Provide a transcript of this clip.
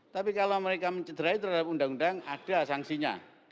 tapi kalau mereka mencederai terhadap undang undang ada sanksinya